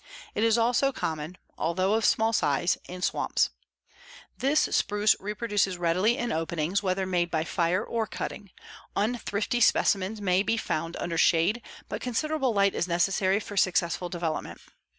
It is also common, although of small size, in swamps. This spruce reproduces readily in openings, whether made by fire or cutting. Unthrifty specimens may be found under shade, but considerable light is necessary for successful development.